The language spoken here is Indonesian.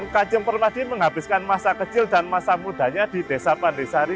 kajeng permadi menghabiskan masa kecil dan masa mudanya di desa pandesari